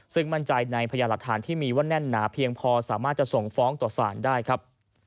ซึ่งมั่นใจในพยานหลักฐานที่มีว่าแน่นหนาเพียงพอสามารถจะส่งฟ้องต่อสารได้ครับ